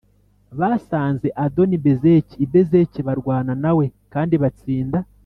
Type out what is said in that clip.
Basanze Adoni-Bezeki i Bezeki barwana na we kandi batsinda